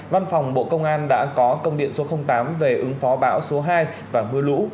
văn phòng bộ công an đã có công điện số tám về ứng phó bão số hai và mưa lũ